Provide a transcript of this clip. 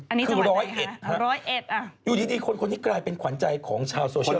อันนี้จังหวัดไหนครับร้อยเอ็ดอ่ะอยู่ดีคนที่กลายเป็นขวัญใจของชาวโซเชียล